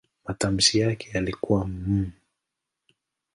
Matamshi yake yalikuwa "m".